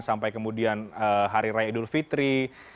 sampai kemudian hari raya idul fitri